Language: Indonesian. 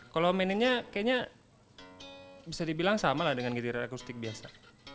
kalau maininnya kayaknya bisa dibilang sama lah dengan giriran akustik biasa